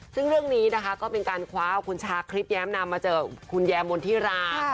ซึ่งเรื่องนี้นะคะก็เป็นการคว้าเอาคุณชาคลิปแย้มนำมาเจอคุณแยมมนธิรา